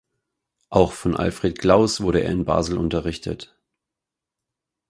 Auch von Alfred Glaus wurde er in Basel unterrichtet.